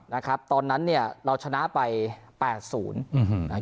นะครับตอนนั้นเนี่ยเราชนะไปแปดศูนย์อืมนะครับ